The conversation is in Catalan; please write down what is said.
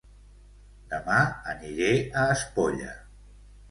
Dema aniré a Espolla